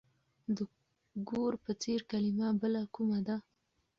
د ګور په څېر کلمه بله کومه ده؟